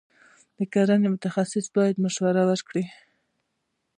د کرنې متخصصین باید مشورې ورکړي.